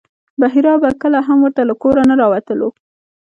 بحیرا به کله هم ورته له کوره نه راوتلو.